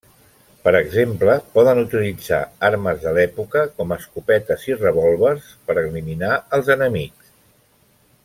Per exemple, poden utilitzar armes de l'època, com escopetes i revòlvers per eliminar als enemics.